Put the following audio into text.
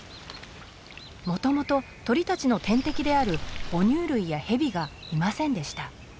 もともと鳥たちの天敵である哺乳類やヘビがいませんでした。